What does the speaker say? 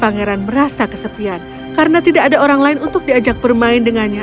pangeran merasa kesepian karena tidak ada orang lain untuk diajak bermain dengannya